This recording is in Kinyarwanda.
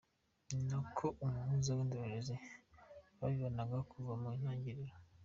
Ni nako umuhuza n’indorerezi babibonaga kuva mu ntangiriro.